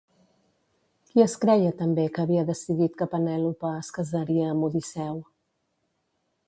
Qui es creia també que havia decidit que Penèlope es casaria amb Odisseu?